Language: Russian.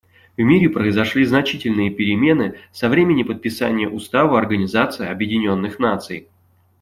В мире произошли значительные перемены со времени подписания Устава Организации Объединенных Наций.